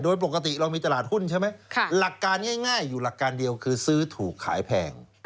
โดยปกติเรามีตลาดหุ้นใช่ไหมหลักการง่ายอยู่หลักการเดียวคือซื้อถูกขายแพง